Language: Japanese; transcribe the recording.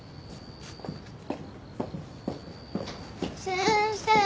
先生。